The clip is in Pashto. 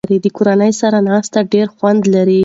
د کورنۍ سره ناسته ډېر خوند لري.